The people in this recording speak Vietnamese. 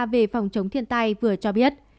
về phòng chống thiên tai vừa cho biết